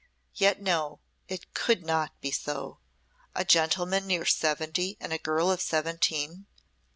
Yet no, it could not be so. A gentleman near seventy and a girl of seventeen!